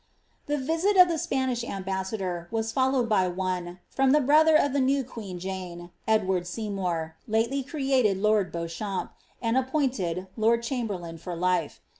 The visit of the Spanish ambassador was followed by one, from the brother of the new queen Jane, Edward Seymour, lately created lord Beauchamp, and appointed lord chamberlain for life.